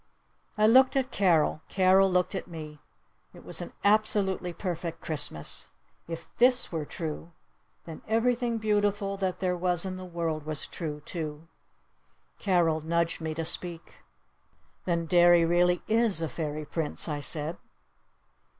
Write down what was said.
I looked at Carol. Carol looked at me. It was an absolutely perfect Christmas! If this were true, then everything beautiful that there was in the world was true, too! Carol nudged me to speak. "Then Derry really is a Fairy Prince?" I said.